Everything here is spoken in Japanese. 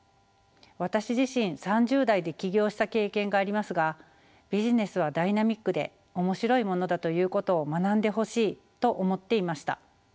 私自身３０代で起業した経験がありますがビジネスはダイナミックで面白いものだということを学んでほしいと思っていました。